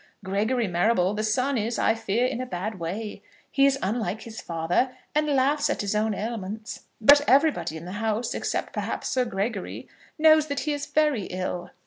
Gregory Marrable, the son, is, I fear, in a bad way. He is unlike his father, and laughs at his own ailments, but everybody in the house, except perhaps Sir Gregory, knows that he is very ill.